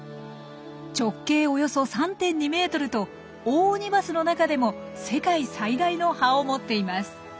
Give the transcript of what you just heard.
直径およそ３．２ｍとオオオニバスの中でも世界最大の葉を持っています。